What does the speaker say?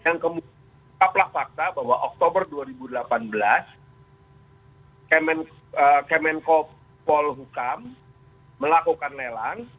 yang kemudian tetaplah fakta bahwa oktober dua ribu delapan belas kemenko polhukam melakukan lelang